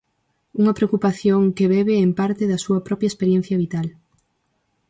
Unha preocupación que bebe, en parte, da súa propia experiencia vital.